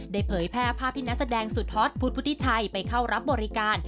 เผยแพร่ภาพที่นักแสดงสุดฮอตพุทธพุทธิชัยไปเข้ารับบริการ